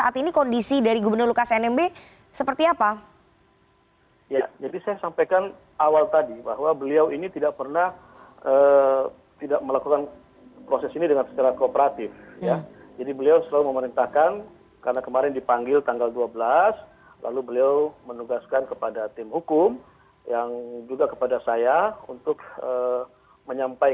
tapi saat ini kondisi dari gubernur lukas nmb